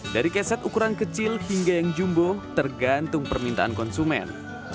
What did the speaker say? dari keset ukuran kecil hingga yang jumbo tergantung permintaan konsumen